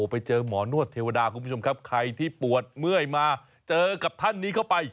ไปเจอหมอนวดเทวดาคุณผู้ชมครับใครที่ปวดเมื่อยมาเจอกับท่านนี้เข้าไป